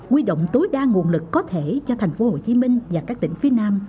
quy động tối đa nguồn lực có thể cho tp hcm và các tỉnh phía nam